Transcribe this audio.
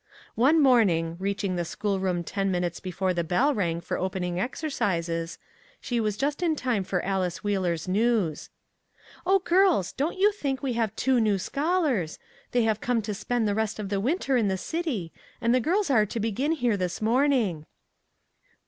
One morning, reaching the schoolroom ten minutes before the bell rang for opening exer cises, she was just in time for Alice Wheeler's news. " Oh, girls ! don't you think we have two new scholars! They have come to spend the rest of the winter in the city, and the girls are to begin here this morning."